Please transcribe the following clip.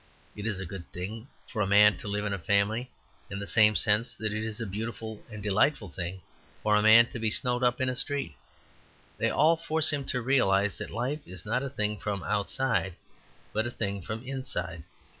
It is a good thing for a man to live in a family in the same sense that it is a beautiful and delightful thing for a man to be snowed up in a street. They all force him to realize that life is not a thing from outside, but a thing from inside.